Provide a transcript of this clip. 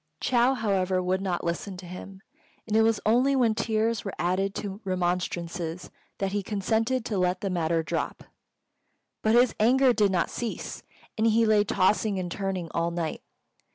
Chou, however, would not listen to him; and it was only when tears were added to remonstrances that he consented to let the matter drop. But his anger did not cease, and he lay tossing and turning all night.